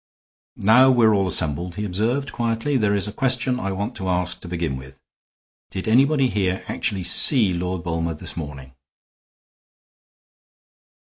"Now we're all assembled," he observed, quietly, "there is a question I want to ask to begin with. Did anybody here actually see Lord Bulmer this morning?"